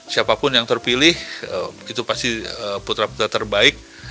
siapapun yang terpilih itu pasti putra putra terbaik